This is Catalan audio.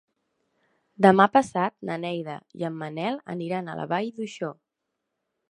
Demà passat na Neida i en Manel aniran a la Vall d'Uixó.